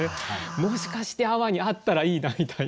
もしかして阿波にあったらいいなみたいな。